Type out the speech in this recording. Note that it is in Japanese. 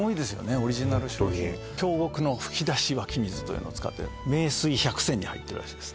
オリジナル商品京極のふきだし湧水というのを使ってる名水百選に入ってるらしいです